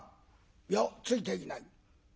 「いやついていない」。